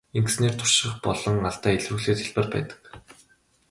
Ингэснээр турших болон алдаа илрүүлэхэд хялбар байдаг.